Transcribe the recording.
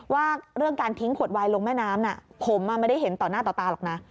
ว่าเรื่องการทิ้งขวดวายลงแม่น้ำผมไม่ได้เห็นต่อหน้าต่อตาหรอกนะ